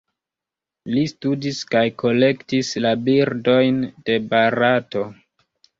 Li studis kaj kolektis la birdojn de Barato.